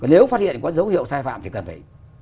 nếu phát hiện có dấu hiệu sai phạm thì cần phải